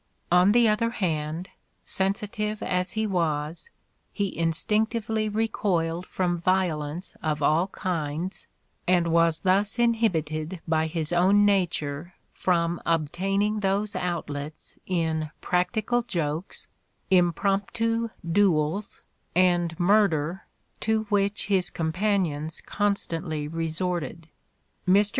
On the other hand, sensitive as he was, he instinctively recoiled from violence of aU kinds and was thus inhibited by his own nature from obtaining those outlets in "practical jokes," impromptu duels and murder to which his companions constantly re sorted. Mr.